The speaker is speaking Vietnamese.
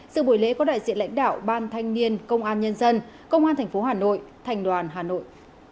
sự buổi lễ có đại diện lãnh đạo ban thanh niên công an nhân dân công an tp hà nội thành đoàn hà nội